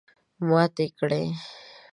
ماتې کړې.